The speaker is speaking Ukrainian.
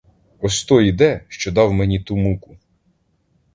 Ось той іде, що дав мені ту муку!